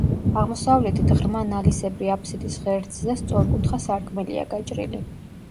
აღმოსავლეთით, ღრმა ნალისებრი აფსიდის ღერძზე სწორკუთხა სარკმელია გაჭრილი.